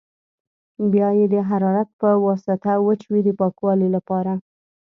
بیا یې د حرارت په واسطه وچوي د پاکوالي لپاره.